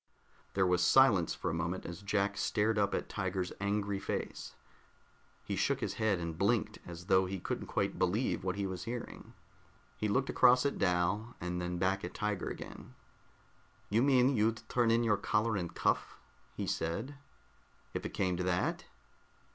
There was silence for a moment as Jack stared up at Tiger's angry face. He shook his head and blinked, as though he couldn't quite believe what he was hearing. He looked across at Dal, and then back at Tiger again. "You mean you'd turn in your collar and cuff?" he said. "If it came to that."